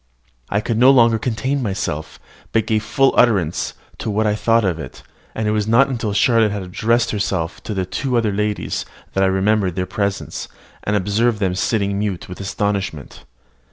I could no longer contain myself, but gave full utterance to what I thought of it: and it was not until Charlotte had addressed herself to the two other ladies, that I remembered their presence, and observed them sitting mute with astonishment.